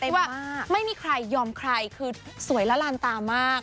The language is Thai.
ว่าไม่มีใครยอมใครคือสวยละลานตามาก